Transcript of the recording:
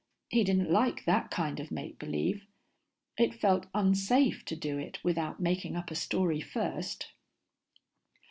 _ He didn't like that kind of make believe. It felt unsafe to do it without making up a story first.